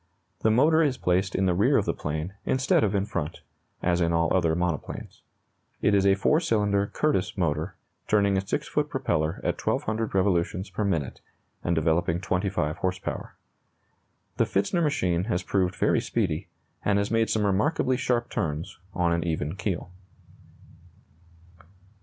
The motor is placed in the rear of the plane, instead of in front, as in all other monoplanes. It is a 4 cylinder Curtiss motor, turning a 6 foot propeller at 1,200 revolutions per minute, and developing 25 horse power. The Pfitzner machine has proved very speedy, and has made some remarkably sharp turns on an even keel.